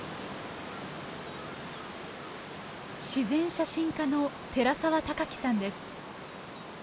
自然写真家の寺沢孝毅さんです。